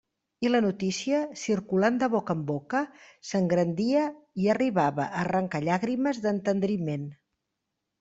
I la notícia, circulant de boca en boca, s'engrandia, i arribava a arrancar llàgrimes d'entendriment.